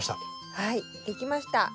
はい出来ました。